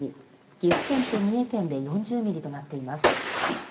岐阜県と三重県で４０ミリとなっています。